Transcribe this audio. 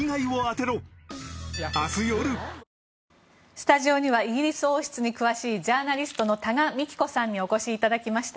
スタジオにはイギリス王室に詳しいジャーナリストの多賀幹子さんにお越しいただきました。